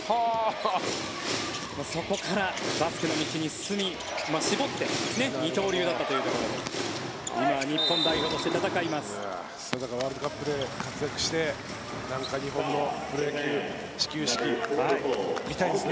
そこからバスケの道に進み、絞って二刀流だったということでワールドカップで活躍して日本のプロ野球の始球式見たいですね。